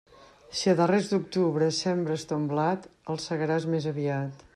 Si a darrers d'octubre sembres ton blat, el segaràs més aviat.